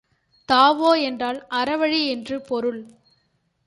Tao என்றால் அறவழி என்று பொருள்.